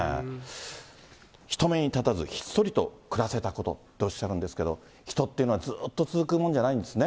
人目にたたずひっそりと暮らせたこととおっしゃるんですけど、人っていうのはずっと続くもんじゃないんですね。